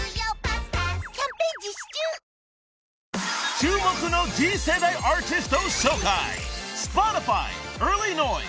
［注目の次世代アーティストを紹介］